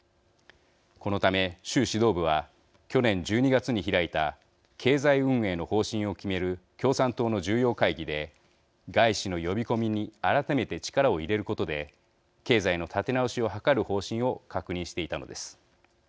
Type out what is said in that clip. このため、習指導部は去年１２月に開いた経済運営の方針を決める共産党の重要会議で外資の呼び込みに改めて力を入れることで経済の立て直しを図る方針を確認していたのです。